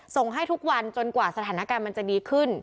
ส่งให้ทุกวันจนกว่าสถานการณ์มันจะดีขึ้น